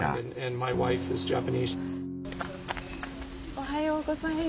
おはようございます。